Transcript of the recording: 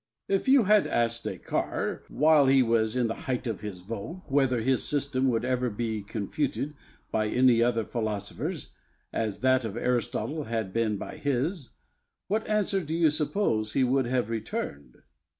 Bayle. If you had asked Descartes, while he was in the height of his vogue, whether his system would be ever confuted by any other philosopher's, as that of Aristotle had been by his, what answer do you suppose he would have returned?